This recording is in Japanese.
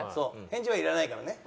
返事はいらないからね。